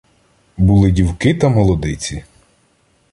Були дівки та молодиці